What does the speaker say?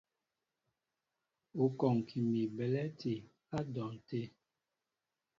Ú kɔŋki mi belɛ̂ti á dwɔn tə̂.